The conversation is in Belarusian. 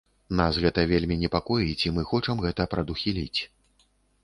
Нас гэта вельмі непакоіць і мы хочам гэта прадухіліць.